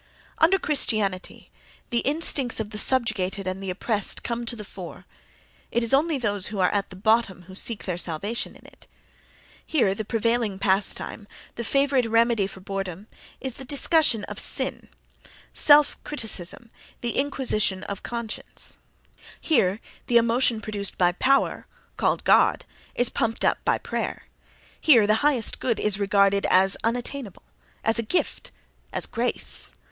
— Under Christianity the instincts of the subjugated and the oppressed come to the fore: it is only those who are at the bottom who seek their salvation in it. Here the prevailing pastime, the favourite remedy for boredom is the discussion of sin, self criticism, the inquisition of conscience; here the emotion produced by power (called "God") is pumped up (by prayer); here the highest good is regarded as unattainable, as a gift, as "grace."